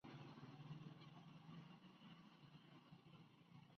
Produjo hidrógeno sólido al año siguiente.